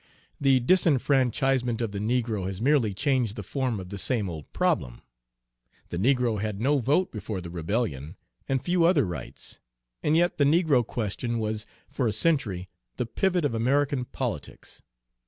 The disfranchisement of the negro has merely changed the form of the same old problem. The negro had no vote before the rebellion, and few other rights, and yet the negro question was, for a century, the pivot of American politics.